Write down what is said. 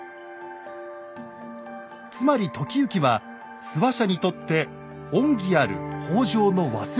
つまり時行は諏訪社にとって恩義ある北条の忘れ形見。